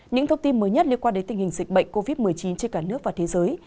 những thông tin mới nhất liên quan đến tình hình dịch bệnh covid một mươi chín trên cả nước và thế giới